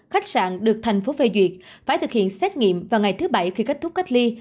khách sạn được thành phố phê duyệt phải thực hiện xét nghiệm vào ngày thứ bảy khi kết thúc cách ly